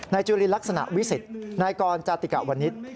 นายจุฬิลักษณะวิสิทธิ์นายกรจติกะวันนิตร